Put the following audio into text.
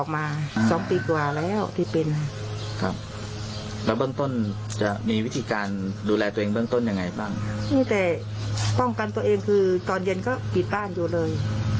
ไม่กล้าออกมาเลย